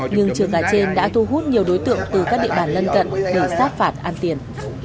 nhưng trường gà trên đã thu hút nhiều đối tượng từ các địa bàn lân cận để sát phạt ăn tiền